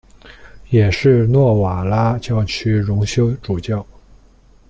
也是诺瓦拉教区荣休主教。